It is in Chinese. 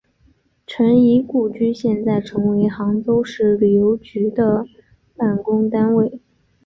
陈仪故居现在成为杭州市旅游局的办公单位。